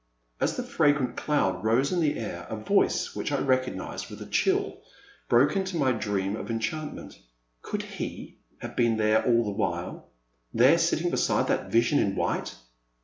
As the fragrant doud rose in the air, a voice, which I recognized with a chill, broke into my dream of enchantment. Could he have been there all the while, — ^there sitting beside that vision in white